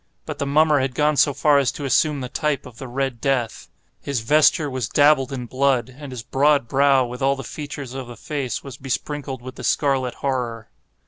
But the mummer had gone so far as to assume the type of the Red Death. His vesture was dabbled in blood—and his broad brow, with all the features of the face, was besprinkled with the scarlet horror.